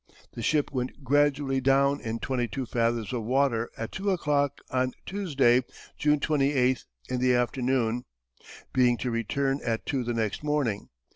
The ship went gradually down in 22 fathoms of water at 2 o'clock on Tuesday, June 28, in the afternoon, being to return at 2 the next morning.